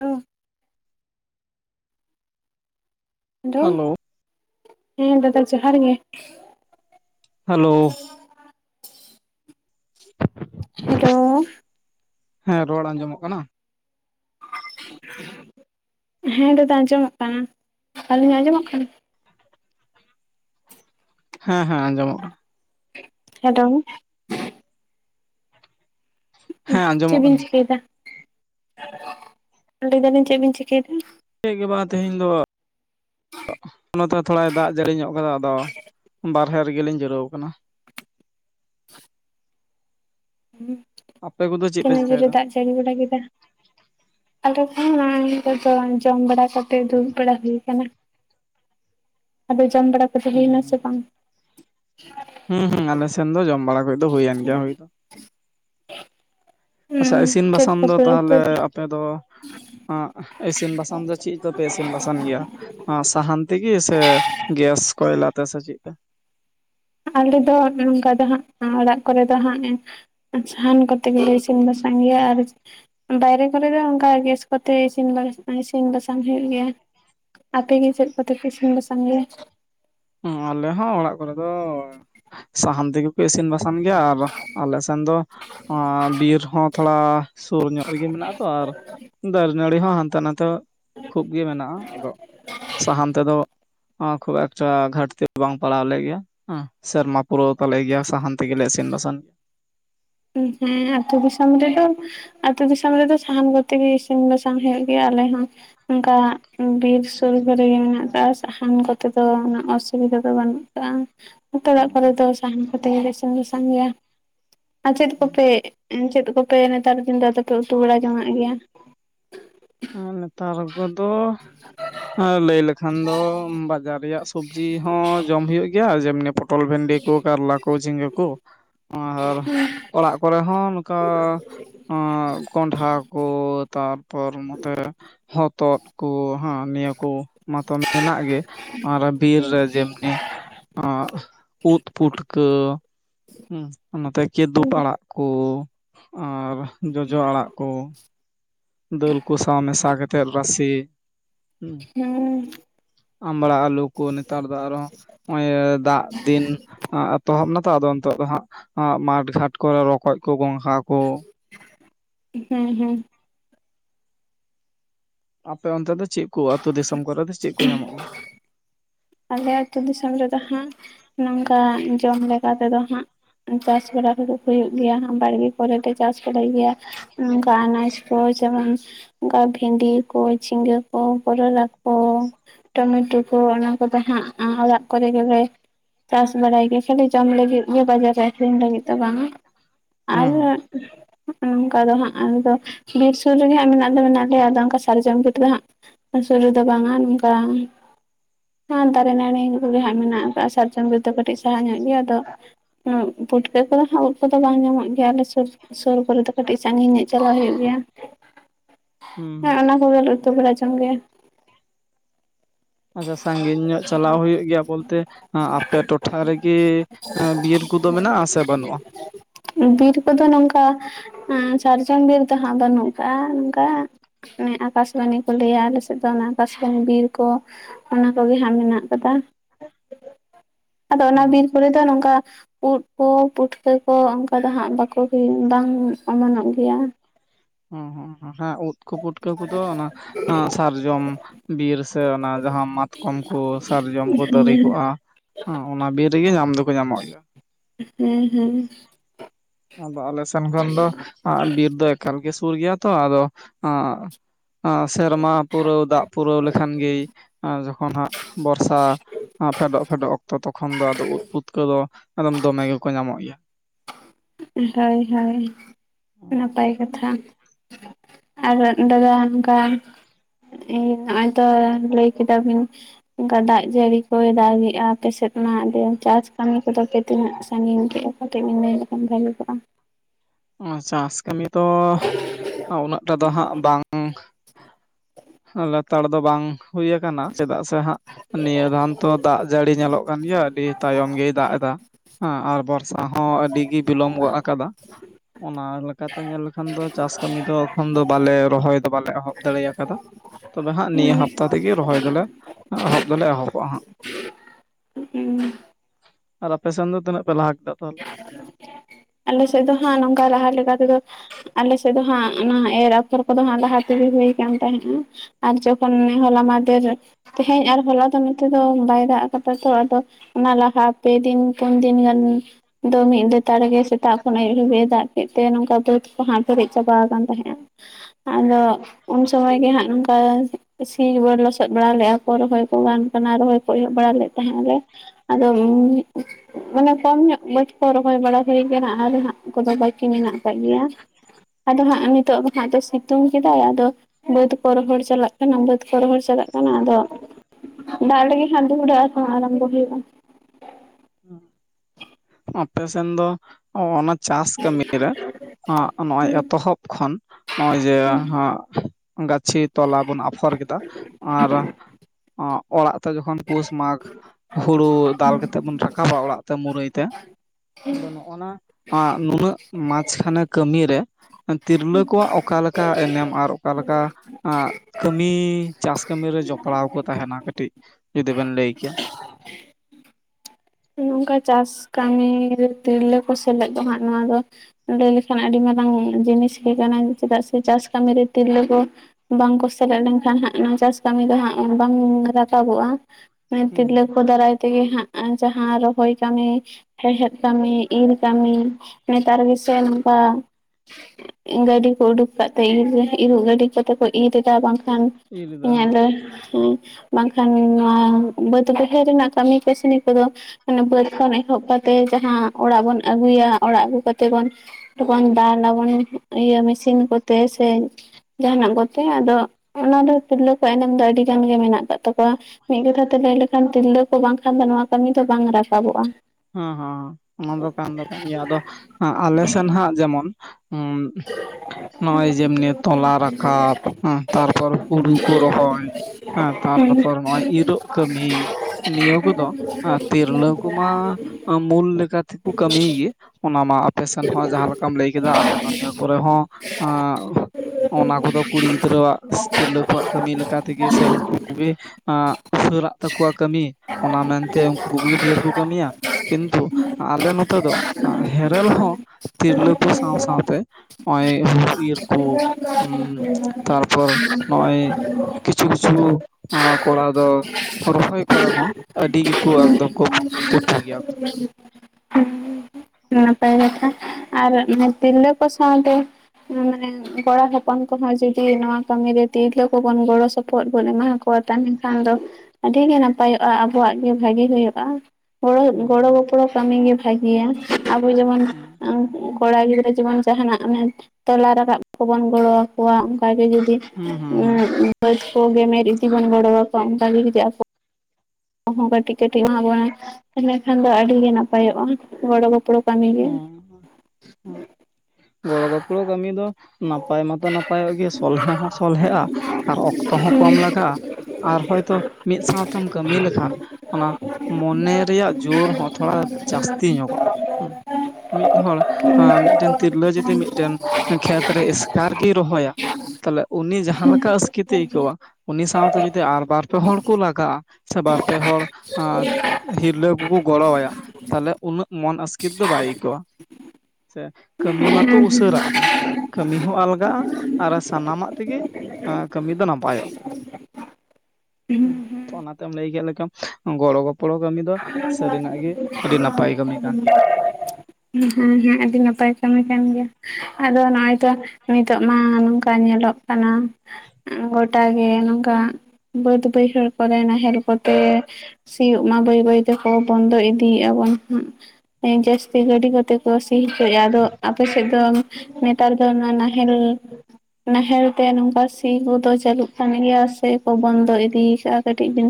Hello hello ᱦᱮᱸ ᱫᱟᱫᱟ ᱡᱚᱦᱟᱨ ᱜᱮ ᱾ ᱦᱟᱞᱳ ᱾ ᱦᱮᱞᱳ ᱾ ᱦᱮᱸ ᱨᱚᱲ ᱟᱸᱡᱚᱢᱚᱜ ᱠᱟᱱᱟ? ᱦᱮᱸ ᱫᱟᱫᱟ ᱟᱸᱡᱚᱢᱚᱜ ᱠᱟᱱᱟ, ᱟᱹᱞᱤᱧᱟᱜ ᱟᱸᱡᱚᱢᱚᱜ ᱠᱟᱱᱟ? ᱦᱮᱸ ᱦᱮᱸ ᱟᱸᱡᱚᱢᱚᱜ ᱠᱟᱱᱟ ᱾ ᱦᱮᱞᱳ ᱾ ᱦᱮᱸ ᱪᱮᱜ ᱟᱸᱡᱚᱢᱚᱜ ᱵᱤᱱ ᱠᱟᱱᱟ ᱪᱤᱠᱟᱹᱭᱫᱟ, ᱞᱟᱹᱭ ᱫᱟᱹᱞᱤᱧ ᱪᱮᱜ ᱵᱤᱱ ᱪᱤᱠᱟᱹᱭᱫᱟ? ᱪᱮᱜ ᱜᱮ ᱵᱟᱝ ᱛᱮᱦᱮᱧ ᱫᱚ ᱱᱚᱛᱮ ᱛᱷᱚᱲᱟᱭ ᱫᱟᱜ ᱡᱟᱹᱲᱤ ᱧᱚᱜ ᱟᱠᱟᱫᱟ ᱟᱫᱚ ᱵᱟᱨᱦᱮ ᱨᱮᱜᱮᱞᱤᱧ ᱡᱤᱨᱟᱹᱣ ᱠᱟᱱᱟ ᱾ ᱟᱯᱮ ᱠᱚᱫᱚ ᱪᱮᱫ ᱯᱮ ᱛᱤᱱᱟᱹ ᱡᱩᱨᱮ ᱪᱤᱠᱟᱹᱭᱮᱫᱟ ᱫᱟᱜ ᱡᱟᱹᱲᱤ ᱵᱟᱲᱟ ᱠᱮᱫᱟ? ᱟᱞᱮ ᱠᱚᱦᱚᱸ ᱱᱚᱜᱼᱚᱭ ᱱᱤᱛᱳᱜ ᱫᱚ ᱡᱚᱢ ᱵᱟᱲᱟ ᱠᱟᱛᱮ ᱫᱩᱲᱩᱵ ᱵᱟᱲᱟ ᱦᱩᱭ ᱠᱟᱱᱟ ᱾ ᱟᱫᱚ ᱡᱚᱢ ᱵᱟᱲᱟ ᱠᱚᱫᱚ ᱦᱩᱭᱱᱟ ᱥᱮ ᱵᱟᱝ? ᱦᱩᱸ ᱦᱩᱸ ᱟᱞᱮ ᱥᱮᱱ ᱫᱚ ᱡᱚᱢ ᱵᱟᱲᱟ ᱠᱚᱫᱚ ᱦᱩᱭᱮᱱ ᱜᱮᱭᱟ ᱦᱳᱭ ᱫᱚ ᱾ [inaudible] ᱟᱪᱪᱷᱟ ᱤᱥᱤᱱ ᱪᱮᱫ ᱵᱟᱥᱟᱝ ᱫᱚ ᱠᱚᱯᱮ ᱩᱛᱩ ᱛᱟᱦᱚᱞᱮ ᱟᱯᱮ ᱫᱚ ᱟᱜ ᱤᱥᱤᱱ ᱵᱟᱥᱟᱝ ᱫᱚ ᱪᱤᱫ ᱠᱚᱯᱮ ᱤᱥᱤᱱ ᱵᱟᱥᱟᱱ ᱜᱤᱭᱟ? ᱥᱟᱦᱟᱱ ᱛᱤᱜᱤ ᱥᱮ ᱜᱮᱥ ᱠᱚᱭᱞᱟ ᱛᱮ ᱥᱮ ᱪᱮᱫ ᱛᱮ? ᱟᱞᱮ ᱫᱚ ᱱᱚᱝᱠᱟ ᱫᱚ ᱦᱟᱸᱜ ᱚᱲᱟᱜ ᱠᱚᱨᱮ ᱫᱚ ᱦᱟᱸᱜ ᱮᱸ ᱥᱟᱦᱟᱱ ᱠᱚᱛᱮ ᱜᱮᱞᱮ ᱤᱥᱤᱱ ᱵᱟᱥᱟᱝ ᱜᱮᱭᱟ ᱟᱨ ᱵᱟᱭᱨᱮ ᱠᱚᱨᱮ ᱫᱚ ᱚᱱᱠᱟ ᱜᱮᱥ ᱠᱚᱛᱮ ᱤᱥᱤᱱ ᱵᱟᱥᱟᱝ ᱤᱥᱤᱱ ᱵᱟᱥᱟᱝ ᱦᱩᱭᱩᱜ ᱜᱮᱭᱟ, ᱟᱯᱮ ᱜᱮ ᱪᱮᱫ ᱠᱚᱛᱮᱯᱮ ᱤᱥᱤᱱ ᱵᱟᱥᱟᱝ ᱜᱮᱭᱟ? ᱟᱞᱮ ᱦᱚᱸ ᱚᱲᱟᱜ ᱠᱚᱨᱮ ᱫᱚ ᱥᱟᱦᱟᱱ ᱛᱮᱜᱮ ᱠᱚ ᱤᱥᱤᱱ ᱵᱟ ᱥᱟᱱ ᱜᱮᱭᱟ ᱟᱨ ᱟᱞᱮ ᱥᱮᱱ ᱫᱚ ᱟᱸ ᱵᱤᱨ ᱦᱚᱸ ᱛᱷᱚᱲᱟ ᱥᱩᱨ ᱧᱚᱜ ᱨᱮᱜᱮ ᱢᱮᱱᱟᱜᱼᱟ ᱛᱚ ᱟᱨ ᱫᱟᱨᱮ ᱱᱟᱹᱲᱤ ᱦᱚᱸ ᱦᱟᱱᱛᱮ ᱱᱟᱛᱮ ᱠᱷᱩᱵ ᱜᱤ ᱢᱮᱱᱟᱜᱼᱟ ᱟᱫᱚ ᱥᱟᱦᱟᱱ ᱛᱮᱫᱚ ᱚᱸ ᱠᱷᱩᱵ ᱮᱠᱴᱟ ᱜᱷᱟᱴᱛᱤ ᱫᱚ ᱵᱟᱝ ᱯᱟᱲᱟᱣ ᱟᱞᱮ ᱜᱮᱭᱟ ᱦᱩᱸ ᱥᱮᱨᱢᱟ ᱯᱩᱨᱟᱹᱣ ᱛᱟᱞᱮ ᱜᱮᱭᱟ ᱥᱟᱦᱟᱱ ᱛᱮᱜᱮᱞᱮ ᱤᱥᱤᱱ ᱵᱟᱥᱟᱱ ᱾ ᱦᱮᱸ ᱟᱹᱛᱩ ᱫᱤᱥᱚᱢ ᱨᱮᱫᱚ ᱟᱹᱛᱩ ᱫᱤᱥᱚᱢ ᱨᱮᱫᱚ ᱥᱟᱦᱟᱱ ᱠᱚᱛᱮ ᱜᱮ ᱤᱥᱤᱱ ᱵᱟᱥᱟᱝ ᱦᱩᱭᱩᱜ ᱜᱮᱭᱟ ᱟᱞᱮ ᱦᱚᱸ ᱚᱱᱠᱟ ᱵᱤᱨ ᱥᱩᱨ ᱠᱚᱨᱮᱜ ᱜᱮ ᱢᱮᱱᱟᱜ ᱟᱠᱟᱫᱟ ᱥᱟᱦᱟᱱ ᱠᱚᱛᱮ ᱫᱚ ᱩᱱᱟᱹᱜ ᱚᱥᱩᱵᱤᱫᱟ ᱫᱚ ᱵᱟᱹᱱᱩᱜ ᱠᱟᱜᱼᱟ ᱚᱱᱟᱛᱮ ᱚᱲᱟᱜ ᱠᱚᱨᱮ ᱫᱚ ᱥᱟᱦᱟᱱ ᱠᱚᱛᱮ ᱜᱮ ᱤᱥᱤᱱ ᱵᱟᱥᱟᱝ ᱜᱮᱭᱟ ᱾ ᱟᱨ ᱪᱮᱫ ᱠᱚᱯᱮ ᱮᱸ ᱪᱮᱫ ᱠᱚᱯᱮ ᱱᱮᱛᱟᱨ ᱫᱤᱱ ᱟᱫᱚ ᱯᱮ ᱩᱛᱩ ᱵᱟᱲᱟ ᱡᱚᱝᱼᱟᱜ ᱜᱮᱭᱟ? ᱱᱮᱛᱟᱨ ᱠᱚᱫᱚ ᱞᱟᱹᱭ ᱞᱮᱠᱷᱟᱱ ᱫᱚ ᱵᱟᱡᱟᱨ ᱨᱮᱭᱟᱜ ᱥᱚ ᱥᱚᱵᱽᱡᱤ ᱦᱚᱸ ᱡᱚᱢ ᱦᱩᱭᱩᱜ ᱜᱮᱭᱟ ᱡᱮᱢᱱᱤ ᱯᱚᱴᱚᱞ ᱵᱷᱮᱱᱰᱤ ᱠᱚ ᱠᱟᱨᱞᱟ ᱠᱚ ᱡᱷᱤᱸᱜᱟᱹ ᱠᱚ ᱟᱨ ᱚᱲᱟᱜ ᱠᱚᱨᱮ ᱦᱚᱸ ᱱᱚᱝᱠᱟ ᱚᱸ ᱠᱚᱱᱰᱷᱟ ᱠᱚ ᱛᱟᱨᱯᱚᱨ ᱱᱚᱛᱮ ᱦᱚᱛᱚᱫ ᱠᱚ, ᱦᱚᱸ ᱱᱤᱭᱟᱹ ᱠᱚ ᱢᱟᱛᱚ ᱢᱮᱱᱟ ᱜᱮ ᱟᱨ ᱵᱤᱨ ᱨᱮ ᱡᱮᱢᱱᱤ ᱟᱜ ᱩᱫ ᱯᱩᱴᱠᱟᱹ ᱦᱚᱸ ᱱᱚᱛᱮ ᱠᱤᱫᱩᱵ ᱟᱲᱟᱜ ᱠᱚ ᱟᱨ ᱡᱚᱡᱚ ᱟᱲᱟᱜ ᱠᱚ ᱫᱟᱹᱞ ᱠᱚ ᱥᱟᱶ ᱢᱮᱥᱟ ᱠᱟᱛᱮ ᱨᱟᱥᱮ ᱦᱢ ᱾ ᱟᱸᱢᱵᱽᱲᱟ ᱟᱞᱩ ᱠᱚ ᱱᱮᱛᱟᱨ ᱫᱚ ᱟᱨᱦᱚᱸ ᱱᱚᱜᱚᱭ ᱫᱟᱜ ᱫᱤᱱ ᱟᱸ ᱮᱛᱚᱦᱚᱵ ᱮᱱᱟ ᱛᱚ ᱟᱫᱚ ᱱᱤᱛᱚᱜ ᱫᱚ ᱦᱟᱸᱜ ᱢᱟᱴ ᱜᱷᱟᱴ ᱠᱚᱨᱮ ᱨᱚᱠᱚᱡ ᱠᱚ ᱜᱚᱝᱜᱷᱟ ᱠᱩ ᱦᱮᱸ ᱦᱮᱸ᱾ ᱟᱯᱮ ᱚᱱᱛᱮ ᱫᱚ ᱪᱮᱫ ᱠᱚ ᱟᱹᱛᱩ ᱫᱤᱥᱚᱢ ᱠᱚᱨᱮ ᱫᱚ ᱪᱮᱫ ᱠᱚ ᱧᱟᱢᱚᱜ ᱜᱮᱭᱟ? ᱟᱞᱮ ᱟᱹᱛᱩ ᱫᱤᱥᱚᱢ ᱨᱮᱫᱚ ᱦᱟᱸᱜ ᱱᱚᱝᱠᱟ ᱡᱚᱢ ᱞᱮᱠᱟ ᱛᱮᱫᱚ ᱦᱟᱸᱜ ᱪᱟᱥ ᱵᱟᱲᱟ ᱠᱚᱫᱚ ᱦᱩᱭᱩᱜ ᱜᱮᱭᱟ ᱵᱟᱲᱜᱮ ᱠᱚᱨᱮ ᱞᱮ ᱪᱟᱥ ᱵᱟᱲᱟᱭ ᱜᱮᱭᱟ᱾ ᱚᱱᱠᱟ ᱟᱱᱟᱡᱽ ᱠᱚ ᱥᱮ ᱵᱟᱝ ᱚᱱᱠᱟ ᱵᱷᱤᱰᱤ ᱠᱚ, ᱡᱷᱤᱸᱜᱟᱹ ᱠᱚ, ᱠᱚᱨᱚᱞᱟ ᱠᱚ, ᱴᱚᱢᱮᱴᱳ ᱠᱚ ᱚᱱᱟ ᱟᱫᱚ ᱦᱟᱸᱜ ᱚᱲᱟᱜ ᱠᱚᱨᱮ ᱜᱮᱞᱮ ᱪᱟᱥ ᱵᱟᱲᱟᱭ ᱜᱮ ᱠᱷᱟᱹᱞᱤ ᱡᱚᱢ ᱞᱟᱹᱜᱤᱫ ᱜᱮ ᱵᱟᱡᱟᱨ ᱨᱮ ᱟᱠᱷᱨᱤᱧ ᱞᱟᱹᱜᱤᱫ ᱫᱚ ᱵᱟᱝᱼᱟ, ᱦᱩᱸ ᱟᱨ ᱦᱩᱸ ᱚᱱᱠᱟ ᱫᱚ ᱦᱟᱸᱜ ᱟᱞᱮᱫᱚ ᱵᱤᱨ ᱥᱩᱨ ᱨᱮᱜᱮ ᱦᱟᱸᱜ ᱢᱮᱱᱟᱜ ᱫᱚ ᱢᱮᱱᱟᱜ ᱞᱮᱭᱟ ᱟᱫᱚ ᱚᱱᱠᱟ ᱥᱟᱨᱡᱚᱢ ᱵᱤᱨ ᱫᱚ ᱦᱟᱸᱜ ᱥᱩᱨ ᱨᱮᱫᱚ ᱵᱟᱝᱟ ᱱᱚᱝᱠᱟ ᱟ ᱫᱟᱨᱮ ᱱᱟᱹᱲᱤ ᱠᱚᱜᱮ ᱦᱟᱸᱜ ᱢᱮᱱᱟᱜ ᱠᱟᱜ-ᱟ ᱥᱟᱨᱡᱚᱢ ᱵᱤᱨᱫᱚ ᱠᱟᱹᱴᱤᱡ ᱥᱟᱦᱟ ᱧᱚᱜ ᱜᱮᱭᱟ ᱟᱫᱚ ᱩᱸᱜ ᱯᱩᱴᱠᱟᱹ ᱠᱚᱫᱚ ᱦᱟᱸᱜ ᱩᱫᱽ ᱠᱚᱫᱚ ᱵᱟᱝ ᱧᱟᱢᱚᱜ ᱜᱮᱭᱟ, ᱟᱞᱮ ᱥᱩᱨ ᱥᱩᱨ ᱠᱚᱨᱮ ᱫᱚ ᱠᱟᱹᱴᱤᱡ ᱥᱟᱺᱜᱤᱧ ᱧᱚᱜ ᱪᱟᱞᱟᱣ ᱦᱩᱭᱩᱜ ᱜᱮᱭᱟ᱾ ᱦᱮᱸ ᱦᱩᱸ ᱚᱱᱟ ᱠᱚᱜᱮ ᱞᱮ ᱩᱛᱩ ᱵᱟᱲᱟ ᱡᱚᱝ ᱜᱮᱭᱟ᱾ ᱟᱪᱪᱷᱟ ᱥᱟᱺᱜᱤᱧ ᱧᱚᱜ ᱪᱟᱞᱟᱣ ᱦᱩᱭᱩᱜ ᱜᱮᱭᱟ ᱵᱚᱞᱛᱮ ᱟᱯᱮ ᱴᱚᱴᱷᱟ ᱨᱮᱜᱮ ᱮᱸ ᱵᱤᱨ ᱠᱚᱫᱚ ᱢᱮᱱᱟᱜ ᱥᱮ ᱵᱟᱹᱱᱩᱜᱼᱟ? ᱵᱤᱨ ᱠᱚᱫᱚ ᱱᱚᱝᱠᱟ ᱟᱸ ᱥᱟᱨᱡᱚᱢ ᱵᱤᱨ ᱫᱚ ᱦᱟᱸᱜ ᱵᱟᱹᱱᱩᱜ ᱠᱟᱜ-ᱟ ᱱᱚᱝᱠᱟ ᱚᱱᱮ ᱟᱠᱟᱥᱵᱟᱱᱤ ᱠᱚ ᱞᱟᱹᱭᱟ ᱟᱞᱮ ᱥᱮᱫ ᱫᱚ ᱚᱱᱟ ᱟᱠᱟᱥᱵᱟᱱᱤ ᱵᱤᱨ ᱠᱚ ᱚᱱᱟ ᱠᱚᱜᱮ ᱦᱟᱸᱜ ᱢᱮᱱᱟᱜ ᱠᱟᱫᱟ, ᱟᱫᱚ ᱚᱱᱟ ᱦᱩᱸ ᱵᱤᱨ ᱠᱚᱨᱮ ᱫᱚ ᱱᱚᱝᱠᱟ ᱩᱫᱽ ᱠᱚ ᱯᱩᱴᱷᱠᱟᱹ ᱠᱚ ᱚᱱᱠᱟ ᱫᱚ ᱦᱟᱸᱜ ᱵᱟᱠᱚ ᱵᱟᱝ ᱚᱢᱚᱱᱚᱜ ᱜᱮᱭᱟ᱾ ᱦᱩᱸ ᱦᱩᱸ ᱦᱮᱸ ᱩᱫᱽ ᱠᱚ ᱯᱩᱴᱠᱟᱹ ᱠᱚᱫᱚ ᱚᱱᱟ ᱥᱟᱨᱡᱚᱢ ᱵᱤᱨ ᱥᱮ ᱚᱱᱟ ᱡᱟᱦᱟᱸ ᱢᱟᱛᱠᱚᱢ ᱠᱚ ᱥᱟᱨᱡᱚᱢ ᱠᱚ ᱫᱟᱨᱮ ᱦᱮᱸ ᱠᱚᱜᱼᱟ ᱦᱮᱸ ᱚᱱᱟ ᱵᱤᱨ ᱨᱮᱜᱮ ᱧᱟᱢ ᱫᱚᱠᱚ ᱧᱟᱢᱚᱜ ᱜᱮᱭᱟ᱾ ᱦᱩᱸ ᱦᱩᱸ᱾ ᱟᱫᱚ ᱟᱞᱮ ᱥᱮᱱ ᱠᱷᱚᱱ ᱫᱚ ᱵᱤᱨ ᱫᱚ ᱮᱠᱟᱞ ᱜᱮ ᱥᱩᱨ ᱜᱮᱭᱟ ᱛᱚ ᱟᱫᱚ ᱟᱸ ᱟᱸ ᱥᱮᱨᱢᱟ ᱯᱩᱨᱟᱹᱣ ᱫᱟᱜ ᱯᱩᱨᱟᱹᱣ ᱞᱮᱠᱷᱟᱱ ᱜᱮ ᱟ ᱡᱚᱠᱷᱚᱱ ᱦᱟᱸᱜ ᱵᱚᱨᱥᱟ ᱟᱸ ᱯᱷᱮᱰᱚᱜ ᱯᱷᱮᱰᱚᱜ ᱚᱠᱛᱚ ᱛᱚᱠᱷᱚᱱ ᱫᱚ ᱩᱫᱽ ᱯᱩᱛᱠᱟᱹ ᱫᱚ ᱫᱚᱢᱮ ᱜᱮᱠᱚ ᱧᱟᱢᱚᱜ ᱜᱮᱭᱟ᱾ ᱦᱳᱭ ᱦᱳᱭ ᱱᱟᱯᱟᱭ ᱠᱟᱛᱷᱟ᱾ ᱟᱨ ᱚᱸᱰᱮ ᱫᱚ ᱱᱚᱝᱠᱟ ᱤᱭᱟᱹ ᱱᱚᱜᱼᱚᱭ ᱛᱚ ᱞᱟᱹᱭ ᱠᱮᱫᱟ ᱵᱤᱱ ᱚᱱᱠᱟ ᱫᱟᱜ ᱡᱟᱹᱲᱤ ᱠᱚᱭ ᱫᱟᱜᱮᱜᱼᱟ ᱟᱯᱮᱥᱮᱫ ᱢᱟ ᱪᱟᱥ ᱠᱟᱹᱢᱤ ᱠᱚᱫᱚᱯᱮ ᱛᱤᱱᱟᱹᱜ ᱥᱟᱺᱜᱤᱧ ᱠᱮᱜᱼᱟ? ᱠᱟᱹᱴᱤᱡ ᱵᱤᱱ ᱞᱟᱹᱭ ᱞᱮᱠᱷᱟᱱ ᱵᱷᱟᱹᱜᱤ ᱠᱚᱜᱼᱟ᱾ ᱚ ᱪᱟᱥ ᱠᱟᱹᱢᱤ ᱫᱚ ᱚ ᱩᱱᱟᱹᱜ ᱴᱟᱫᱚ ᱦᱟᱸᱜ ᱵᱟᱝ ᱞᱮᱛᱟᱲ ᱫᱚ ᱵᱟᱝ ᱦᱩᱭ ᱠᱟᱱᱟ ᱪᱮᱫᱟᱜ ᱥᱮ ᱦᱟᱸᱜ ᱱᱤᱭᱟᱹ ᱫᱷᱟᱱᱛᱚ ᱫᱟᱜ ᱡᱟᱹᱲᱤ ᱧᱮᱞᱚᱜ ᱠᱟᱱ ᱜᱮᱭᱟ ᱟᱹᱰᱤ ᱛᱟᱭᱚᱢ ᱜᱮᱭ ᱫᱟᱜ ᱮᱫᱟ᱾ ᱦᱮᱸ ᱟᱨ ᱵᱚᱨᱥᱟ ᱦᱚᱸ ᱟᱹᱰᱤ ᱜᱤ ᱵᱤᱞᱚᱢ ᱜᱚᱫ ᱠᱟᱫᱟ, ᱚᱱᱟ ᱞᱮᱠᱟᱛᱮ ᱧᱮᱞ ᱞᱮᱠᱷᱟᱱ ᱫᱚ ᱪᱟᱥ ᱠᱟᱹᱢᱤ ᱫᱚ ᱮᱠᱷᱚᱱ ᱫᱚ ᱵᱟᱞᱮ ᱨᱚᱦᱚᱭ ᱫᱚ ᱵᱟᱞᱮ ᱮᱦᱚᱵ ᱫᱟᱲᱮ ᱟᱠᱟᱫᱟ᱾ ᱛᱚᱵᱮ ᱦᱟᱸᱜ ᱱᱤᱭᱟᱹ ᱦᱟᱯᱛᱟ ᱛᱮᱜᱮ ᱨᱚᱦᱚᱭ ᱫᱚᱞᱮ ᱮᱦᱚᱵ ᱫᱚᱞᱮ ᱮᱦᱚᱵᱚᱜᱼᱟ ᱦᱟᱸᱜ᱾ ᱟᱨ ᱟᱯᱮᱥᱮᱱ ᱫᱚ ᱛᱤᱱᱟᱹᱜ ᱯᱮ ᱞᱟ ᱠᱮᱫᱟ ᱛᱚᱦᱞᱮ? ᱟᱞᱮ ᱥᱮᱫ ᱫᱚ ᱦᱟᱸᱜ ᱱᱚᱝᱠᱟ ᱞᱟᱦᱟ ᱞᱮᱠᱟ ᱛᱮᱫᱚ ᱟᱞᱮ ᱥᱮᱫ ᱫᱚ ᱦᱟᱸᱜ ᱚᱱᱟ ᱮᱨ ᱟᱯᱷᱚᱨ ᱠᱚᱫᱚ ᱦᱟᱸᱜ ᱞᱟᱦᱟ ᱛᱮᱜᱮ ᱦᱩᱭ ᱠᱟᱱ ᱛᱟᱦᱮᱸᱜᱼᱟ᱾ ᱟᱨ ᱡᱚᱠᱷᱚᱱ ᱦᱚᱞᱟ ᱢᱟᱫᱮᱨ ᱛᱮᱦᱮᱧ ᱟᱨ ᱦᱚᱞᱟ ᱫᱚ ᱱᱚᱛᱮ ᱫᱚ ᱵᱟᱭ ᱫᱟᱜ ᱠᱟᱫᱟ ᱛᱚ, ᱟᱫᱚ ᱚᱱᱟ ᱞᱟᱦᱟ ᱯᱮ ᱫᱤᱱ ᱯᱳᱱ ᱫᱤᱱ ᱜᱟᱱ ᱫᱚ ᱢᱤᱫ ᱞᱮᱛᱟᱲ ᱜᱮ ᱥᱮᱛᱟᱜ ᱠᱷᱚᱱ ᱟᱹᱭᱩᱵ ᱫᱷᱟᱹᱵᱤᱡ ᱮ ᱫᱟᱜ ᱠᱮᱫᱛᱮ ᱱᱚᱝᱠᱟ ᱵᱟᱹᱫᱽ ᱠᱚ ᱦᱟᱸᱜ ᱯᱮᱨᱮᱡ ᱪᱟᱵᱟ ᱠᱟᱱ ᱛᱟᱦᱮᱸᱜᱼᱟ᱾ ᱟᱫᱚ ᱩᱱᱥᱩᱢᱚᱭ ᱜᱮ ᱦᱟᱸᱜ ᱱᱚᱝᱠᱟ ᱥᱤ ᱵᱟᱹᱲ ᱞᱚᱥᱚᱫ ᱵᱟᱲᱟ ᱞᱮᱫᱼᱟ ᱠᱚ ᱨᱚᱦᱚᱭ ᱠᱚ ᱜᱟᱱ ᱠᱟᱱᱟ, ᱨᱚᱦᱚᱭ ᱠᱚ ᱮᱦᱚᱵ ᱵᱟᱲᱟ ᱞᱮᱫ ᱛᱟᱦᱮᱸ ᱟᱞᱮ᱾ ᱟᱫᱚ ᱩᱸ ᱢᱟᱱᱮ ᱠᱚᱢ ᱧᱚᱜ᱾ ᱵᱟᱹᱫ ᱠᱚ ᱨᱚᱦᱚᱭ ᱵᱟᱲᱟ ᱦᱳᱭ ᱠᱟᱱᱟ ᱟᱨ ᱦᱟᱸᱜ ᱠᱚᱫᱚ ᱵᱟᱠᱤ ᱢᱮᱱᱟᱜ ᱟ -ᱠᱟᱫ ᱜᱮᱭᱟ᱾ ᱟᱫᱚ ᱦᱟᱸᱜ ᱱᱤᱛᱚᱜ ᱫᱚ ᱦᱟᱸᱜ ᱟᱫᱚ ᱥᱤᱛᱩᱝ ᱠᱮᱫᱟᱭ ᱟᱫᱚ ᱵᱟᱹᱫ ᱠᱚ ᱨᱚᱦᱚᱲ ᱪᱟᱞᱟᱜ ᱠᱟᱱᱟ ᱵᱟᱹᱫ ᱠᱚ ᱨᱚᱦᱚᱲ ᱪᱟᱞᱟᱜ ᱠᱟᱱᱟ ᱟᱫᱚ ᱫᱟᱜ ᱞᱮᱜᱮ ᱦᱟᱸᱜ ᱫᱚᱦᱚᱲᱟ ᱟᱨᱦᱚᱸ ᱟᱨᱢᱵᱚ ᱦᱩᱭᱩᱼᱟ᱾ ᱟᱯᱮᱥᱮᱱ ᱫᱚ ᱚ ᱚᱱᱟ ᱪᱟᱥ ᱠᱟᱹᱢᱤᱨᱮ ᱟᱸᱜ ᱱᱚᱜᱼᱚᱭ ᱮᱛᱚᱦᱚᱵ ᱠᱷᱚᱱ ᱱᱚ-ᱚᱭ ᱡᱮ ᱦᱟᱸᱜ ᱜᱟᱹᱪᱷᱤ ᱛᱚᱞᱟ ᱵᱚᱱ ᱟᱯᱷᱚᱨ ᱠᱮᱫᱟ ᱟᱨ ᱚᱲᱟᱜ ᱛᱮ ᱡᱚᱠᱷᱚᱱ ᱯᱳᱥ ᱢᱟᱜᱷ ᱦᱩᱲᱩ ᱫᱟᱞ ᱠᱟᱛᱮᱜ ᱵᱩᱱ ᱨᱟᱠᱟᱵᱟ ᱚᱲᱟᱜ ᱛᱮ ᱢᱩᱨᱟᱹᱭ ᱛᱮ᱾ ᱟᱫᱚ ᱱᱚᱜ-ᱚᱱᱟ ᱱᱩᱱᱟᱹᱜ ᱢᱟᱡᱠᱷᱟᱱᱮ ᱠᱟᱹᱢᱤᱨᱮ ᱛᱤᱨᱞᱟᱹ ᱠᱚᱣᱟᱜ ᱚᱠᱟ ᱞᱮᱠᱟ ᱮᱱᱮᱢ ᱟᱨ ᱚᱠᱟᱞᱮᱠᱟ ᱟᱸᱜ ᱠᱟᱹᱢᱤ ᱪᱟᱥ ᱠᱟᱹᱢᱤᱨᱮ ᱡᱚᱯᱲᱟᱣ ᱠᱚ ᱛᱟᱦᱮᱱᱟ ᱠᱟᱹᱴᱤᱡ ᱡᱩᱫᱤ ᱵᱮᱱ ᱞᱟᱹᱭ ᱠᱮᱭᱟ? ᱱᱚᱝᱠᱟ ᱪᱟᱥ ᱠᱟᱹᱢᱤ ᱛᱤᱨᱞᱟᱹ ᱠᱚ ᱥᱮᱞᱮᱫ ᱫᱚ ᱦᱟᱸᱜ ᱱᱚᱣᱟ ᱫᱚ ᱞᱟᱹᱭ ᱞᱮᱠᱷᱟᱱ ᱟᱹᱰᱤ ᱢᱟᱨᱟᱝ ᱡᱤᱱᱤᱥ ᱜᱮ ᱠᱟᱱᱟ ᱪᱮᱫᱟᱜ ᱥᱮ ᱪᱟᱥ ᱠᱟᱹᱢᱤᱤᱨᱮ ᱛᱤᱨᱞᱟᱹ ᱠᱚ ᱵᱟᱝᱠᱚ ᱥᱮᱞᱮᱫ ᱞᱮᱱᱠᱷᱟᱱ ᱦᱟᱸᱜ ᱱᱚᱣᱟ ᱪᱟᱥ ᱠᱟᱹᱢᱤ ᱫᱚ ᱦᱟᱸᱜ ᱵᱟᱝ ᱨᱟᱠᱟᱵᱚᱜᱼᱟ᱾ ᱢᱟᱱᱮ ᱦᱩᱸ ᱛᱤᱨᱞᱟᱹ ᱠᱚ ᱫᱟᱨᱟᱭ ᱛᱮᱜᱮ ᱦᱟᱸᱜ ᱡᱟᱦᱟᱸ ᱨᱟ ᱦᱚᱭ ᱠᱟᱹᱢᱤ, ᱦᱮᱲᱦᱮᱫ ᱠᱟᱹᱢᱤ, ᱤᱨ ᱠᱟᱹᱢᱤ ᱱᱮᱛᱟᱨ ᱜᱮ ᱥᱮ ᱱᱚᱠᱟ ᱜᱟᱹᱰᱤ ᱠᱚ ᱩᱰᱩᱠ ᱠᱟᱫᱛᱮ ᱤᱨ ᱤᱨᱚᱜ ᱜᱟᱹᱰᱤ ᱠᱚᱛᱮ ᱠᱚ ᱤᱨ ᱫᱟ, ᱵᱟᱝᱠᱷᱟᱱ ᱦᱩᱸ ᱤᱨ ᱫᱟ ᱤᱧᱟᱜ ᱦᱟᱸᱜ ᱞᱟᱹ ᱦᱟᱹᱭ ᱵᱟᱝᱠᱷᱟᱱ ᱱᱚᱣᱟ ᱵᱟᱹᱫ ᱵᱟᱹᱭᱦᱟᱹᱲ ᱨᱮᱱᱟᱜ ᱠᱟᱹᱢᱤ ᱠᱟᱹᱥᱱᱤ ᱠᱚᱫᱚ ᱢᱟᱱᱮ ᱵᱟᱹᱫ ᱠᱷᱚᱱ ᱮᱦᱚᱵ ᱠᱟᱛᱮᱜ ᱡᱟᱦᱟᱸ ᱚᱲᱟᱜ ᱵᱚᱱ ᱟᱹᱜᱩᱭᱟ, ᱚᱲᱟᱜ ᱟᱹᱜᱩ ᱠᱟᱛᱮ ᱵᱚᱱ ᱫᱚᱵᱚᱱ ᱫᱟᱞᱟ ᱥᱵᱚᱱ ᱤᱭᱟᱹ ᱢᱤᱥᱤᱱ ᱠᱚᱛᱮ ᱥᱮ ᱡᱟᱦᱟᱱᱟᱜ ᱠᱚᱛᱮ ᱟᱫᱚ ᱚᱱᱟ ᱫᱚ ᱛᱤᱨᱞᱟᱹ ᱠᱚ ᱮᱱᱮᱢ ᱫᱚ ᱟᱹᱰᱤ ᱜᱟᱱ ᱜᱮ ᱢᱮᱱᱟᱜ ᱟᱠᱟᱫ ᱛᱟᱠᱚᱣᱟ᱾ ᱢᱤᱫ ᱠᱟᱛᱷᱟ ᱛᱮ ᱞᱟᱹᱭ ᱞᱮᱠᱷᱟᱱ ᱛᱤᱨᱞᱟᱹ ᱠᱚ ᱵᱟᱝᱠᱷᱟᱱ ᱫᱚ ᱱᱚᱣᱟ ᱠᱟᱹᱢᱤ ᱫᱚ ᱵᱟᱝ ᱨᱟᱠᱟᱵᱚᱜᱼᱟ᱾ ᱦᱮᱸ ᱦᱮᱸ ᱚᱱᱟ ᱫᱚ ᱠᱟᱱ ᱫᱚ ᱠᱟᱱ ᱜᱮᱭᱟ ᱟᱫᱚ ᱦᱟᱸᱜ ᱟᱞᱮᱥᱮᱱ ᱦᱟᱸᱜ ᱡᱮᱢᱚᱱ ᱩᱸ ᱱᱚᱼᱚᱭ ᱡᱮᱢᱱᱤ ᱛᱚᱞᱟ ᱨᱟᱠᱟᱵ ᱦᱩᱸ ᱛᱟᱨᱯᱚᱨ ᱦᱩᱲᱩ ᱠᱚ ᱨᱚᱦᱚᱭ ᱦᱮᱸ ᱛᱟᱨᱯᱚᱨ ᱱᱚᱼᱚᱭ ᱤᱨᱚᱜ ᱠᱟᱹᱢᱤ᱾ ᱱᱤᱭᱟᱹ ᱠᱚᱫᱚ ᱟ ᱛᱤᱨᱞᱟᱹ ᱠᱚᱢᱟ ᱢᱩᱞ ᱞᱮᱠᱟᱛᱮᱠᱚ ᱠᱟᱹᱢᱤᱭ ᱜᱮ᱾ ᱚᱱᱟ ᱢᱟ ᱟᱯᱮᱥᱮᱱ ᱦᱚᱸ ᱡᱟᱦᱟᱸ ᱞᱮᱠᱟᱢ ᱞᱟᱹᱭ ᱠᱮᱫᱟ ᱟᱞᱮ ᱦᱚᱸ ᱱᱟᱹᱤᱭᱟᱹ ᱯᱚᱨᱮ ᱦᱚᱸ ᱟᱸ ᱚᱱᱟ ᱠᱚᱫᱚ ᱠᱩᱲᱤ ᱜᱤᱫᱽᱨᱟᱹᱣᱟᱜ ᱛᱤᱨᱞᱟᱹ ᱠᱚᱣᱟᱜ ᱠᱟᱹᱢᱤ ᱞᱮᱠᱟ ᱛᱮᱜᱮ ᱥᱮ ᱩᱱᱠᱩ ᱜᱠᱚᱮ ᱟᱸᱜ ᱩᱥᱟᱹᱨᱟᱜ ᱛᱟᱠᱚᱣᱟ ᱠᱟᱹᱢᱤ ᱚᱱᱟ ᱢᱮᱱᱛᱮ ᱩᱱᱠᱩ ᱠᱚᱜᱮ ᱰᱷᱮᱨ ᱠᱚ ᱠᱟᱹᱢᱤᱭᱟ᱾ ᱠᱤᱱᱛᱩ ᱟᱞᱮ ᱱᱚᱛᱮ ᱫᱚ ᱦᱮᱨᱮᱞ ᱦᱚᱸ ᱛᱤᱨᱞᱟᱹ ᱠᱚ ᱥᱟᱶ ᱥᱟᱶᱛᱮ ᱚᱸᱭ ᱦᱩᱲᱩ ᱤᱨᱠᱚ ᱠᱩᱸ ᱛᱟᱨᱯᱚᱨ ᱱᱚᱜᱼᱚᱭ ᱟᱸ ᱠᱚᱨᱟᱣ ᱝ ᱠᱚᱲᱟ ᱫᱚ ᱨᱚᱦᱚᱭ ᱠᱚᱨᱮ ᱦᱚᱸ ᱟᱹᱰᱤ ᱜᱮᱠᱚ ᱮᱠᱫᱚᱢ ᱠᱚ ᱯᱳᱴᱷᱳ ᱜᱮᱭᱟ᱾ [inaudible] ᱱᱟᱯᱟᱭ ᱠᱟᱛᱷᱟ ᱟᱨ ᱢᱟᱱᱮ ᱛᱤᱨᱞᱟᱹᱠᱚ- ᱠᱚ ᱥᱟᱶᱛᱮ ᱢᱟᱱᱮ ᱠᱚᱲᱟ ᱦᱚᱯᱚᱱ ᱠᱚᱦᱚᱸ ᱡᱩᱫᱤ ᱱᱚᱣᱟ ᱠᱟᱹᱢᱤᱨ ᱨᱮ ᱛᱤᱨᱞᱟᱹ ᱠᱚᱵᱚᱱ ᱜᱚᱲᱚ ᱥᱚᱯᱚᱦᱚᱫ ᱵᱚᱱ ᱮᱢᱟ ᱟᱠᱚᱣᱟ ᱛᱟᱦᱮ ᱠᱷᱟᱱ ᱫᱚ ᱟᱹᱰᱤ ᱜᱮ ᱱᱟᱯᱟᱭᱚᱜᱼᱟ᱾ ᱟᱵᱚᱣᱟᱜ ᱜᱮ ᱵᱷᱟᱹᱜᱤ ᱦᱩᱭᱩᱜᱼᱟ᱾ ᱜᱚᱲᱚ ᱜᱚᱲᱚ ᱦᱩᱸ ᱜᱚᱯᱚᱲᱚ ᱠᱟᱹᱢᱤ ᱜᱮ ᱵᱷᱟᱹᱜᱤᱭᱟ᱾ ᱟᱵᱚ ᱡᱮᱢᱚᱱ ᱦᱩᱸ ᱠᱚᱲᱟ ᱜᱤᱫᱽᱨᱟᱹ ᱡᱮᱢᱚᱱ ᱡᱟᱦᱱᱟᱜ ᱚᱱᱮ ᱛᱚᱞᱟ ᱨᱟᱠᱟᱵ ᱠᱚᱵᱚᱱ ᱜᱚᱲᱚ ᱟᱠᱚᱣᱟ ᱚᱱᱠᱟ ᱜᱮ ᱡᱩᱫᱤ ᱦᱩᱸ ᱦᱩᱸ ᱩᱸᱝ-ᱼ ᱵᱟᱹᱫᱽ ᱠᱚ ᱜᱮᱢᱮᱨ ᱤᱫᱤ ᱵᱚᱱ ᱜᱚᱲᱚ ᱴᱣᱟᱠᱚᱣᱟ ᱚᱱᱠᱟ ᱜᱮ ᱡᱩᱫᱤ ᱟᱵᱚ ᱦᱚᱸ ᱠᱟᱹᱴᱤᱡ ᱠᱟᱹᱴᱤᱡ ᱮᱢᱟ ᱵᱚᱱᱟ ᱤᱱᱟᱹ ᱠᱷᱟᱱ ᱫᱚ ᱟᱹᱰᱤ ᱜᱮ ᱱᱟᱯᱟᱭᱚᱜ-ᱟ, ᱜᱚᱲᱚ ᱜᱚᱯᱚᱲᱚ ᱠᱟᱹᱢᱤ ᱜᱮ ᱦᱚᱸ, ᱦᱩᱸ᱾ ᱜᱚᱲᱚ ᱜᱚᱯᱚᱲᱚ ᱠᱟᱹᱢᱤ ᱫᱚ ᱱᱟᱯᱟᱭ ᱢᱟᱛᱚ ᱱᱟᱯᱟᱭᱚᱜ ᱜᱮ ᱥᱚᱞᱦᱮ ᱦᱚᱸ ᱥᱚᱞᱦᱮᱜ-ᱟ᱾ ᱟᱨ ᱚᱠᱛᱚ ᱦᱚᱸ ᱠᱚᱢ ᱞᱟᱜᱟᱜ-ᱟ ᱟᱨ ᱦᱚᱭᱛᱚ ᱢᱤᱫ ᱥᱟᱶᱛᱮᱢ ᱠᱟᱹᱢᱤ ᱞᱮᱠᱷᱟᱱ ᱚᱱᱟ ᱢᱚᱱᱮ ᱨᱮᱭᱟᱜ ᱡᱳᱨ ᱦᱚᱸ ᱛᱷᱚᱲᱟ ᱡᱟᱹᱥᱛᱤ ᱧᱚᱜᱚᱜ-ᱟ ᱦᱩᱸ᱾ ᱢᱤᱫ ᱦᱚᱲ ᱢᱤᱫᱴᱮᱱ ᱛᱤᱨᱞᱟᱹ ᱡᱚᱫᱤ ᱢᱤᱫᱴᱮᱱ ᱠᱷᱮᱛ ᱨᱮ ᱮᱥᱠᱟᱨ ᱜᱮᱭ ᱨᱚᱦᱚᱭᱟ᱾ ᱛᱟᱦᱞᱮ ᱩᱱᱤ ᱡᱟᱦᱟᱸ ᱞᱮᱠᱟ ᱟᱥᱠᱤᱛ ᱟᱹᱭᱠᱟᱹᱣᱟ ᱩᱱᱤ ᱥᱟᱶᱛᱮ ᱡᱩᱫᱤ ᱟᱨ ᱵᱟᱨ ᱯᱮ ᱦᱚᱲ ᱠᱚ ᱞᱟᱜᱟᱜ-ᱟ᱾ ᱥᱮ ᱵᱟᱨᱯᱮ ᱦᱚᱲ ᱦᱤᱨᱞᱟᱹ ᱠᱚᱠᱚ ᱜᱚᱲᱚ ᱟᱭᱟ ᱛᱟᱦᱞᱮ ᱩᱱᱟᱹᱜ ᱢᱚᱱ ᱟᱥᱠᱤᱛ ᱫᱚ ᱵᱟᱭ ᱟᱹᱭᱠᱟᱹᱣᱟ ᱥᱮ ᱠᱟᱹᱢᱤ ᱢᱟᱛᱚ ᱩᱥᱟᱹᱨᱟᱜ ᱜᱮ᱾ ᱠᱟᱹᱢᱤ ᱦᱚᱸ ᱟᱞᱜᱟᱜᱼᱟ ᱟᱨ ᱥᱟᱱᱟᱢᱟᱜ ᱛᱮᱜᱮ ᱠᱟᱹᱢᱤ ᱫᱚ ᱱᱟᱯᱟᱭᱚᱜᱼᱟ ᱦᱩᱸ, ᱟᱪᱪᱷᱟ ᱚᱱᱟᱛᱮᱢ ᱞᱟᱹᱭ ᱠᱮᱫ ᱞᱮᱡᱟ ᱜᱚᱲᱚ ᱜᱚᱯᱚᱲᱚ ᱠᱟᱹᱢᱤ ᱫᱚ ᱯᱨᱤᱭᱟᱝᱠᱟ ᱥᱟᱹᱨᱤᱱᱟᱜ ᱜᱮ ᱟᱹᱰᱤ ᱱᱟᱯᱟᱭ ᱠᱟᱹᱢᱤ ᱠᱟᱱ ᱟᱵᱣᱱ ᱜᱮᱭᱟ ᱱᱮᱱ [unintelligible] ᱦᱮᱸ ᱦᱮᱸ ᱟᱹᱰᱤ ᱱᱟᱯᱟᱭ ᱠᱟᱹᱢᱤ ᱠᱟᱱ ᱜᱮᱭᱟ ᱟᱫᱚ ᱱᱚᱸᱜ-ᱚᱭ ᱛᱚ᱾ ᱱᱤᱛᱚᱜ ᱢᱟ ᱱᱚᱝᱠᱟ ᱧᱮᱞᱚᱜ ᱠᱟᱱᱟ ᱜᱚᱴᱟ ᱜᱮ ᱱᱚᱝᱠᱟ ᱵᱟᱹᱫ ᱵᱟᱹᱭᱦᱟᱹᱲ ᱠᱚᱨᱮ ᱱᱟᱦᱮᱞ ᱠᱚᱛᱮ ᱥᱤᱭᱚᱜ ᱢᱟ ᱵᱟᱹᱭ ᱵᱟᱹᱭ ᱛᱮᱠᱚ ᱵᱚᱱᱫᱚ ᱤᱫᱤᱭᱮᱜ-ᱟ ᱵᱚᱱ ᱦᱟᱸᱜ ᱡᱟᱹᱥᱛᱤ ᱜᱟᱹᱰᱤ ᱠᱚᱛᱮ ᱫᱚ᱾ ᱠᱚ ᱥᱤ ᱦᱚᱪᱚᱭᱮᱫ-ᱟ ᱟᱫᱚ ᱟᱯᱮ ᱥᱮᱫ ᱫᱚ ᱱᱮᱛᱟᱨ ᱫᱚ ᱱᱟᱦᱮᱞ ᱨᱤ ᱱᱟᱦᱮᱞ ᱛᱮ ᱱᱚᱝᱠᱟ ᱥᱤ ᱠᱚᱫᱚ ᱪᱟᱹᱞᱩᱜ ᱠᱟᱱ ᱜᱮᱭᱟ ᱥᱮ ᱠᱚ ᱵᱚᱱᱫᱚ ᱤᱫᱤᱠᱟᱜ ᱠᱟᱹᱴᱤᱡ ᱵᱤᱱ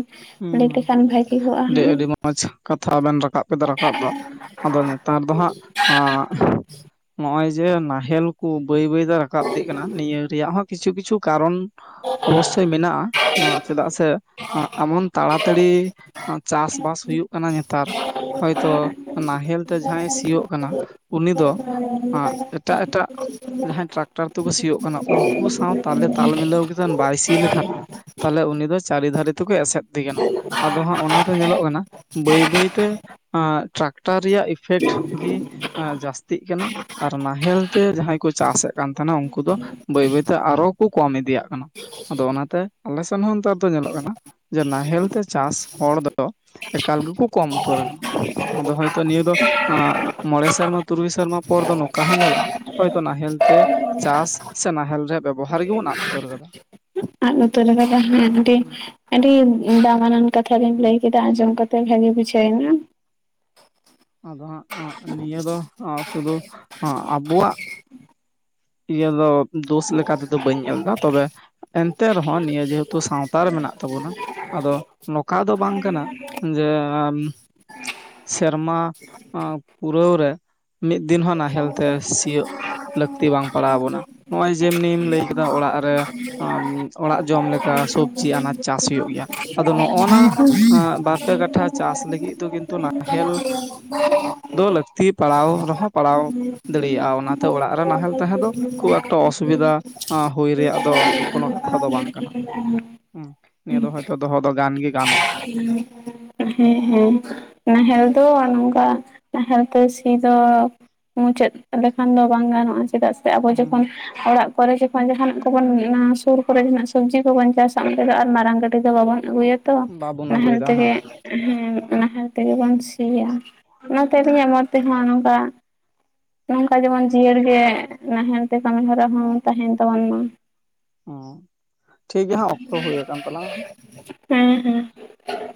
ᱞᱟᱹᱭ ᱦᱩᱸ ᱞᱮᱠᱷᱟᱱ ᱟᱹᱴᱜᱤ ᱟᱹᱰᱤ ᱟᱹᱰᱤ ᱢᱚᱸᱡᱽ ᱠᱟᱛᱷᱟ ᱵᱮᱱ ᱨᱟᱠᱟᱵ ᱠᱮᱫᱟ ᱨᱟᱠᱟᱵ ᱫᱚ ᱟᱫᱚ, ᱱᱮᱛᱟᱨ ᱫᱚ ᱦᱟᱸᱜ ᱱᱚᱜᱼᱚᱭ ᱡᱮ ᱱᱟᱦᱮᱞ ᱠᱚ ᱵᱟᱹᱭ ᱵᱟᱹᱭᱛᱮ ᱨᱟᱠᱟᱵ ᱤᱫᱤᱜ ᱠᱟᱱᱟ ᱱᱤᱭᱟᱹ ᱨᱮᱭᱟᱜ ᱦᱚᱸ᱾ ᱠᱤᱪᱷᱩ ᱠᱤᱪᱷᱩ ᱠᱟᱨᱚᱱ ᱚᱵᱚᱥᱥᱳᱭ ᱢᱮᱱᱟᱜᱥ-ᱟ-ᱪᱮᱫᱟᱜ ᱥᱮ‌ ᱱᱮᱛᱟᱭ ᱢᱟᱦᱟᱸ ᱬᱤᱤᱭᱩᱷ ᱮᱢᱚᱱ ᱛᱟᱲᱟ ᱛᱟᱲᱤ ᱪᱟᱥ ᱵᱟᱥ ᱦᱩᱭᱩᱜ ᱠᱟᱱᱟ ᱱᱮᱛᱟᱨᱺ ᱦᱚᱭᱛᱚ ᱱᱟᱦᱮᱞ ᱛᱮ ᱡᱟᱦᱟᱸᱭ ᱥᱤᱭᱳᱜ ᱠᱟᱱᱟ ᱩᱱᱤ ᱫᱚ ᱮᱸᱜ, ᱮᱴᱟᱜ ᱮᱴᱟᱜ ᱡᱟᱦᱟᱸ ᱴᱨᱟᱠᱴᱟᱨ ᱛᱮᱠᱚ ᱥᱤᱭᱳᱜ ᱠᱟᱱᱟ ᱩᱱᱠᱩ ᱥᱟᱶ ᱛᱟᱞᱮ ᱛᱟᱞ ᱢᱤᱞᱟᱹᱣ ᱠᱟᱛᱮ ᱡᱮᱢᱚᱱ ᱵᱟᱭ ᱥᱤ ᱞᱮᱠᱷᱟᱱ, ᱛᱟᱦᱞᱮ ᱩᱱᱤ ᱫᱚ ᱪᱟᱹᱨᱤ ᱫᱷᱟᱨᱮ ᱛᱮᱠᱚ ᱮᱥᱮᱫ ᱮᱫᱮ ᱠᱟᱱᱟ᱾ ᱟᱫᱚ ᱦᱟᱸᱜ ᱚᱱᱟᱨᱮ ᱧᱮᱞᱚᱜ ᱠᱟᱱᱟ ᱵᱟᱹᱭ ᱵᱟᱹᱭᱛᱮ ᱟᱸᱻ ᱴᱨᱟᱠᱴᱟᱨ ᱨᱮᱭᱟᱜ ᱤᱯᱷᱮᱠ ᱯᱷᱮᱤᱴ ᱜᱮ᱾ ᱡᱟᱹᱥᱛᱤᱜ ᱠᱟᱱᱟ ᱟᱨ ᱱᱟᱦᱮᱞ ᱛᱮ ᱡᱟᱦᱟᱸᱭ ᱠᱚ ᱪᱟᱥᱮᱫ ᱠᱟᱱ ᱛᱟᱸᱦᱮᱱᱟ ᱩᱱᱠᱩ ᱫᱚ ᱵᱟᱹᱭ ᱵᱟᱹᱭ ᱛᱮ ᱟᱨᱚ ᱠᱚ ᱠᱚᱢ ᱤᱫᱤᱭᱟᱜ ᱠᱟᱱᱟ, ᱟᱫᱚ ᱚᱱᱟᱛᱮ ᱟᱞᱮ ᱥᱮᱱ ᱦᱚᱸ ᱱᱮᱛᱟᱨ ᱫᱚ ᱧᱮᱞᱚᱜ ᱠᱟᱱᱟ᱾ ᱡᱮ ᱱᱟᱦᱮᱞ ᱛᱮ ᱪᱟᱥ ᱦᱚᱲ ᱫᱚ ᱮᱠᱟᱞ ᱜᱮᱠᱚ ᱠᱚᱢ ᱩᱛᱟᱹᱨ ᱟᱠᱟᱱᱟ᱾ ᱟᱫᱚ ᱦᱚᱭᱛᱚ ᱱᱤᱭᱟᱹ ᱫᱚ, ᱟᱸᱻ ᱢᱚᱬᱮ ᱥᱮᱨᱢᱟ, ᱛᱩᱨᱩᱭ ᱥᱮᱨᱢᱟ ᱯᱚᱨᱮ ᱯᱚᱨ ᱫᱚ ᱱᱚᱝᱠᱟ ᱦᱚᱸ ᱧᱮᱞᱚᱜ-ᱟ ᱦᱚᱭᱛᱚ ᱱᱟᱦᱮᱞ ᱛᱮ᱾ ᱪᱟᱥ ᱥᱮ ᱱᱟᱦᱮᱞ ᱨᱮᱭᱟᱜ ᱵᱮᱵᱚᱦᱟᱨ ᱜᱮᱵᱚᱱ ᱟᱫ ᱩᱛᱟᱹᱨ ᱠᱟᱫᱟ᱾ ᱟᱛ ᱩᱛᱟᱹᱨᱚᱜᱼᱞ-ᱟ ᱦᱮᱸ ᱟᱹᱰᱤ ᱦᱩᱸ ᱟᱹᱰᱤ ᱫᱟᱢᱟᱱᱟᱱ ᱠᱟᱛᱷᱟ ᱵᱮᱱ ᱞᱟᱹᱭ ᱠᱮᱫ᱾ ᱛᱟ, ᱟᱸᱡᱚᱢ ᱠᱟᱛᱮᱫ ᱵᱷᱟᱹᱜᱤ ᱵᱩᱡᱷᱟᱹᱣᱱᱟ᱾ ᱟᱫᱚ ᱦᱟᱸᱜ ᱱᱤᱭᱟᱹ ᱫᱚ ᱟᱸᱜ ᱥᱩᱫᱩ ᱟᱸᱜ ᱟᱵᱚᱣᱟᱜ᱾ ᱤᱭᱟᱹ ᱫᱚ, ᱫᱳᱥ ᱞᱮᱠᱟᱛᱮᱫᱚ ᱵᱟᱹᱧ ᱧᱮᱞᱮᱫᱟ, ᱛᱚᱵᱮ ᱮᱱᱛᱮ ᱨᱮᱦᱚᱸ ᱱᱤᱭᱟᱹ ᱡᱮᱦᱮᱛᱩ ᱥᱟᱶᱛᱟᱨᱮ ᱢᱮᱱᱟᱜ ᱛᱟᱵᱚᱱᱟ᱾ ᱟᱫᱚ ᱱᱚᱝᱠᱟ ᱫᱚ ᱵᱟᱝ ᱠᱟᱱᱟ ᱡᱮ ᱟᱢ ᱥᱮᱨᱢᱟ ᱯᱩᱨᱟᱹᱣ ᱨᱮ ᱢᱤᱫ ᱫᱤᱱ ᱦᱚᱸ ᱱᱟᱦᱮᱞ ᱛᱮ ᱥᱤᱭᱳᱜ ᱞᱟᱹᱠᱛᱤ ᱯᱟᱲᱟᱣ ᱟᱵᱚᱱᱟ᱾ ᱱᱚᱜ-ᱚᱭ ᱡᱮ ᱱᱤᱭᱟᱹᱢ ᱞᱟᱹᱭ ᱠᱮᱫᱟ ᱚᱲᱟᱜ ᱨᱮ ᱚᱲᱟᱜ ᱡᱚᱢ ᱞᱮᱠᱟ ᱥᱚᱵᱡᱤ ᱟᱱᱟᱡ ᱪᱟᱥ ᱦᱩᱭᱩᱜ ᱜᱮᱭᱟ ᱟᱫᱚ ᱱᱚᱜ ᱱᱟ ᱵᱟᱨᱯᱮ ᱠᱟᱴᱷᱟ ᱪᱟᱥ ᱞᱟᱹᱜᱤᱫ ᱫᱚ ᱠᱤᱱᱛᱩ- ᱛᱚ, ᱱᱟᱦᱮᱞ ᱫᱚ ᱞᱟᱹᱠᱛᱤ ᱯᱟᱲᱟᱣ ᱨᱮᱦᱚᱸ ᱯᱟᱲᱟᱣ ᱫᱟᱲᱮᱭᱟᱜᱼᱟ ᱚᱱᱟᱛᱮ ᱚᱲᱟᱜ ᱨᱮ ᱱᱟᱦᱮᱞ ᱚᱱᱟ ᱫᱚ ᱠᱷᱩᱵ ᱮᱠᱴᱟ ᱚᱥᱩᱵᱤᱫᱷᱟ ᱦᱩᱭ ᱨᱮᱭᱟᱜ ᱫᱚ ᱠᱳᱱᱳ ᱠᱟᱛᱷᱟ ᱫᱚ ᱵᱟᱝ ᱠᱟᱱᱟ ᱾ ᱦᱩ ᱱᱤᱭᱟᱹ ᱫᱚ ᱦᱚᱭ ᱛᱚ ᱫᱚᱦᱚ ᱫᱚ ᱜᱟᱱ ᱜᱮ ᱜᱟᱱᱚᱜ-ᱟ ᱾ [unintelligible] ᱦᱮᱸ ᱦᱮᱸ ᱱᱟᱦᱮᱞ ᱫᱚ ᱱᱚᱝᱠᱟ ᱱᱟᱦᱮᱞ ᱛᱮ ᱥᱤ ᱫᱚ ᱢᱩᱪᱟᱹᱫ ᱞᱮᱠᱷᱟᱱ ᱫᱚ ᱵᱟᱝ ᱜᱟᱱᱚᱜ-ᱟ ᱪᱮᱫᱟᱜ ᱥᱮ ᱟᱵᱚ ᱡᱚᱠᱷᱚᱱ ᱦᱩᱸ ᱚᱲᱟᱜ ᱠᱚᱨᱮ ᱡᱚᱠᱷᱚᱱ ᱡᱟᱦᱟᱱᱟᱜ ᱠᱚᱵᱚᱱ ᱚᱱᱟ ᱥᱩᱨ ᱠᱚᱨᱮ ᱡᱟᱦᱱᱟᱜ ᱥᱚᱵᱽᱡᱤ ᱠᱚᱵᱚᱱ ᱪᱟᱥᱟ ᱚᱸᱰᱮ ᱫᱚ ᱟᱨ ᱢᱟᱨᱟᱝ ᱜᱟᱹᱰᱤ ᱫᱚ ᱵᱟᱵᱚᱱ ᱟᱹᱜᱩᱭᱟ ᱾ ᱛᱚ ᱵᱟᱵᱚᱱ ᱱᱟᱦᱮᱞ ᱟᱹᱜᱩᱭᱮᱫᱟ ᱛᱮᱜᱮ ᱦᱟᱸᱜ ᱾ ᱦᱮᱸ ᱱᱟᱦᱮᱞ ᱛᱮᱜᱮ ᱵᱚᱱ ᱥᱤᱭᱟ ᱚᱱᱟ ᱛᱮ ᱟᱹᱞᱤᱧᱟᱜ ᱢᱚᱛ ᱛᱮᱦᱚᱸ ᱱᱚᱝᱠᱟ ᱱᱚᱝᱠᱟ ᱡᱮᱢᱚᱱ ᱡᱤᱭᱟᱹᱲ ᱜᱮ ᱱᱟᱦᱮᱞ ᱛᱮ ᱠᱟᱹᱢᱤ ᱦᱚᱨᱟ ᱦᱚᱸ ᱛᱟᱦᱮᱱ ᱛᱟᱵᱚᱱ ᱢᱟ ᱾ ᱚ ᱴᱷᱤᱠᱜᱮᱭᱟ ᱦᱟᱜ ᱚᱠᱛᱚ ᱦᱩᱭ ᱟᱠᱟᱱ ᱛᱟᱞᱟᱝ ᱦᱟᱸᱜ ᱦᱮᱸ ᱦᱮᱸ ᱾